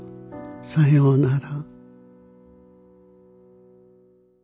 さようなら。